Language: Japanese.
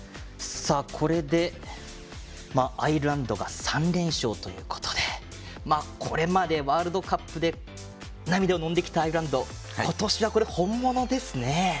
これでアイルランドが３連勝ということでこれまで、ワールドカップで涙をのんできたアイルランド今年は本物ですね。